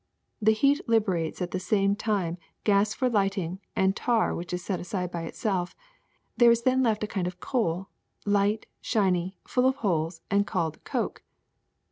The heat liberates at the same time gas for lighting and tar which is set aside by itself; there is then left a kind of coal, light, shiny, full of holes, and called coke.